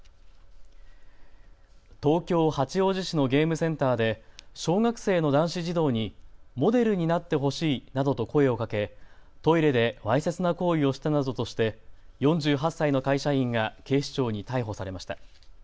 東京八王子市のゲームセンターで小学生の男子児童にモデルになってほしいなどと声をかけ、トイレでわいせつな行為をしたなどとして４８歳の会社員が警視庁に逮捕されました。